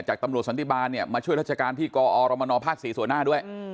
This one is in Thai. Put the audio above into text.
ตำรวจสันติบาลเนี่ยมาช่วยราชการที่กอรมนภ๔ส่วนหน้าด้วย